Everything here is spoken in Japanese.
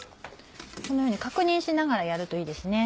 このように確認しながらやるといいですね。